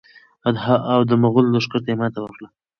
او د مغولو لښکرو ته یې ماته ورکړه.